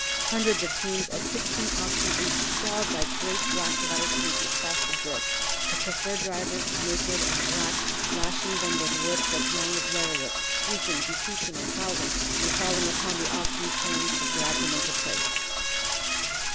Hundreds of teams, of sixteen oxen each, crawled like great black water snakes across the drifts, the Kaffir drivers, naked and black, lashing them with whips as long as lariats, shrieking, beseeching, and howling, and falling upon the oxen's horns to drag them into place.